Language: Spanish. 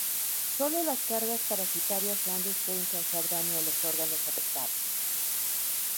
Solo las cargas parasitarias grandes pueden causar daño a los órganos afectados.